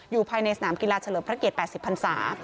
ภายในสนามกีฬาเฉลิมพระเกียรติ๘๐พันศา